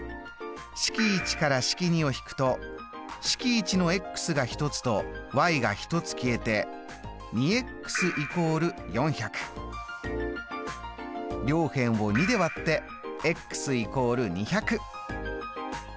式１から式２を引くと式１のが１つとが１つ消えて両辺を２で割って＝